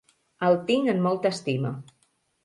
El tinc en molta estima.